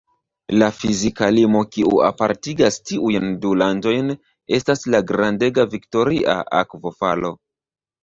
La fizika limo kiu apartigas tiujn du landojn estas la grandega Viktoria Akvofalo.